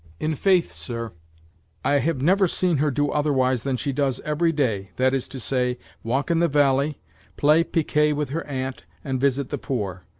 "In faith, sir, I have never seen her do otherwise than she does every day, that is to say, walk in the valley, play piquet with her aunt, and visit the poor.